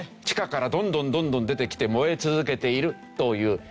地下からどんどんどんどん出てきて燃え続けているという。